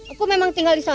aku memang tinggal di sana